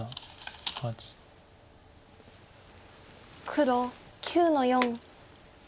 黒９の四。